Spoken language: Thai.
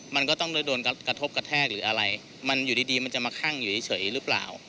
มันก็ต้องโดนกระทบกระแทกหรืออะไรมันอยู่ดีมันจะมาคั่งอยู่เฉยหรือเปล่า